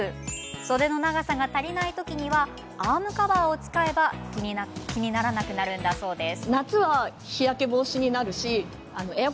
袖の長さが足りない時にはアームカバーを使えば気にならなくなるんだそうです。